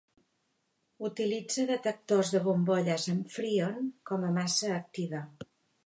Utilitza detectors de bombolles amb Freon com a massa activa.